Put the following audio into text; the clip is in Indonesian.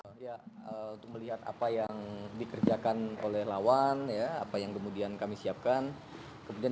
untuk melihat apa yang dikerjakan oleh lawan apa yang kemudian kami siapkan